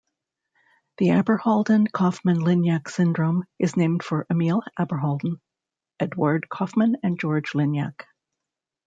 The Abderhalden-Kaufmann-Lignac syndrome is named for Emil Abderhalden, Eduard Kaufmann and George Lignac.